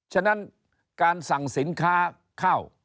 ฉะนั้นการสั่งสินค้าข้าว